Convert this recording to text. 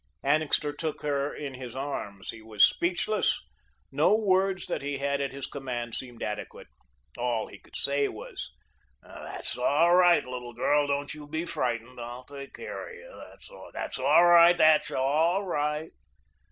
Annixter took her in his arms. He was speechless. No words that he had at his command seemed adequate. All he could say was: "That's all right, little girl. Don't you be frightened. I'll take care of you. That's all right, that's all right."